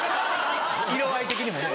色合い的にもね。